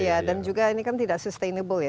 iya dan juga ini kan tidak sustainable ya